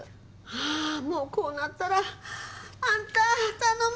ああもうこうなったらあんた頼むわ！